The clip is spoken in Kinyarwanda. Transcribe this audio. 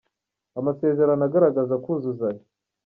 Amasezerano agaragaza kuzuzanya.